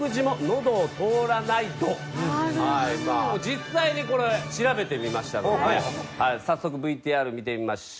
実際にこれ調べてみましたのでね早速ＶＴＲ見てみましょう。